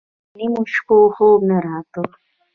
تر نيمو شپو خوب نه راته.